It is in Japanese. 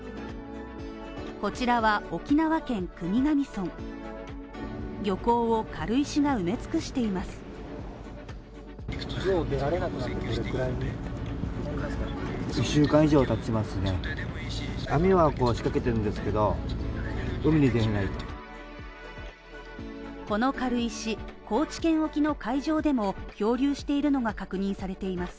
こちらは、沖縄県の国頭村漁港を軽石が埋め尽くしています。